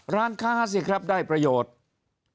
ร้านค้าสิครับได้ประโยชน์